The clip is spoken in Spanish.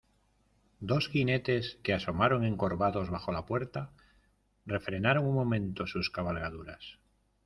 dos jinetes que asomaron encorvados bajo la puerta, refrenaron un momento sus cabalgaduras